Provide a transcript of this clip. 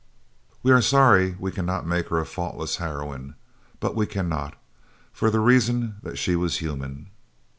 We are sorry we cannot make her a faultless heroine; but we cannot, for the reason that she was human.